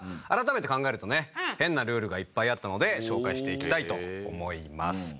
改めて考えるとね変なルールがいっぱいあったので紹介していきたいと思います。